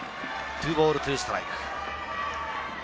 ２ボール２ストライク。